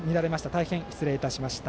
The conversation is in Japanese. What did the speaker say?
大変失礼いたしました。